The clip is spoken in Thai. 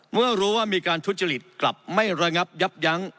เมื่อรู้ว่ามีการทุจริตกลับไม่ระงับยับยั้ง